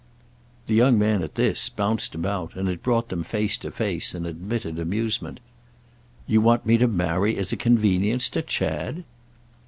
The young man, at this, bounced about, and it brought them face to face in admitted amusement. "You want me to marry as a convenience to Chad?"